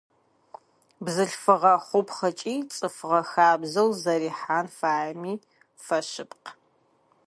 Бзылъфыгъэ хъупхъ ыкӏи цӏыфыгъэ хабзэу зэрихьэн фаеми фэшъыпкъ.